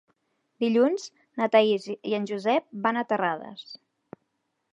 Dilluns na Thaís i en Josep van a Terrades.